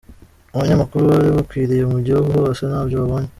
Abanyamakuru bari bakwiriye mu gihugu hose ntabyo babonye